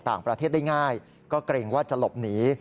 ต่างประเทศได้ง่ายก็เกรงว่าจะหลบหนี